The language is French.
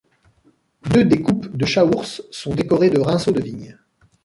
Deux des coupes de Chaourse sont décorées de rinceaux de vigne.